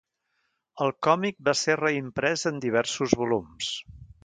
El còmic va ser reimprès en diversos volums.